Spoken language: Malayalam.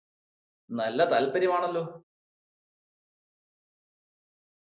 നല്ല താൽപര്യമാണല്ലോ